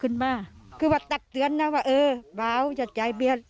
คุณผู้สายรุ่งมโสผีอายุ๔๒ปี